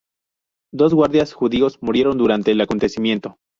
Dos guardias judíos murieron durante el acontecimiento.